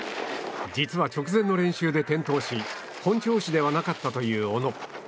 実は直前の練習で転倒し本調子ではなかったという小野。